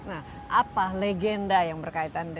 nah apa legenda yang berkaitan dengan